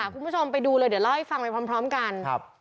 คุณผู้ชมไปดูเลยเดี๋ยวเล่าให้ฟังไปพร้อมกัน